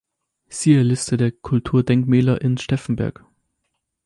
Siehe Liste der Kulturdenkmäler in Steffenberg